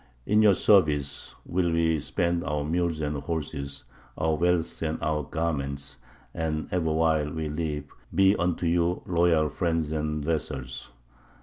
In your service will we spend our mules and horses, our wealth and our garments, and ever while we live be unto you loyal friends and vassals.